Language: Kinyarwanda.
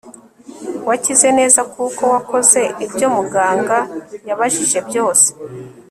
wakize neza kuko wakoze ibyo muganga yabajije byose